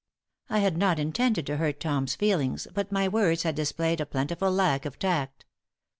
I had not intended to hurt Tom's feelings, but my words had displayed a plentiful lack of tact.